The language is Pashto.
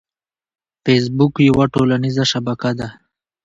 فېسبوک یوه ټولنیزه شبکه ده